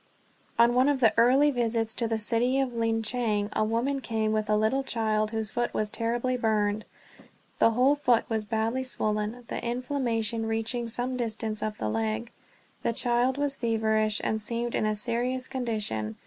On one of the early visits to the city of Linchang, a woman came with a little child whose foot was terribly burned. The whole foot was badly swollen, the inflammation reaching some distance up the leg. The child was feverish, and seemed in a serious condition.